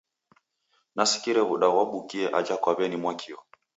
Nasikire w'uda ghwabukie aja kwa weni-Mwakio.